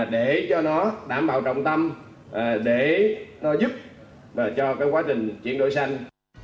để cho nó đảm bảo trọng tâm để nó giúp cho quá trình chuyển đổi xanh